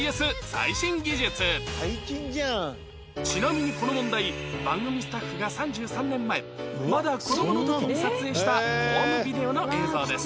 ちなみにこの問題番組スタッフが３３年前まだ子どもの時に撮影したホームビデオの映像です